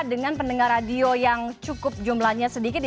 dengan pendengar radio yang cukup jumlahnya sedikit